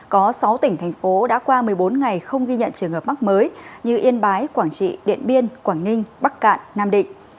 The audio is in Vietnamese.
có sáu tỉnh thành phố đã qua một mươi bốn ngày không ghi nhận trường hợp mắc mới như yên bái quảng trị điện biên quảng ninh bắc cạn nam định